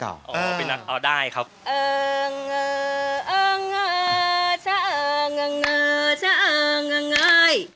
เอ้ององเง้อเช้างงเง้อเช้างงง่าย